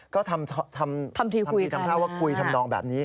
ก็ทำทีทำท่าว่าคุยทำนองแบบนี้